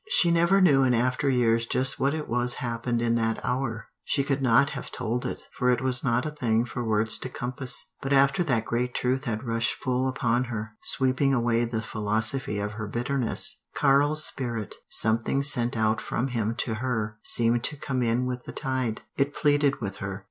She never knew in after years just what it was happened in that hour. She could not have told it, for it was not a thing for words to compass. But after that great truth had rushed full upon her, sweeping away the philosophy of her bitterness, Karl's spirit, something sent out from him to her, seemed to come in with the tide. He pleaded with her.